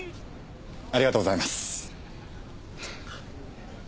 ありがとうございます。